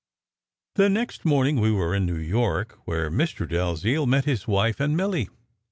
The next morning we were in New York, where Mr. Dalziel met his wife and Milly.